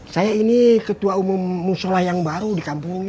saya ini ketua umum musholah yang baru di kampungmu